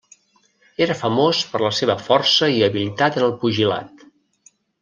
Era famós per la seva força i habilitat en el pugilat.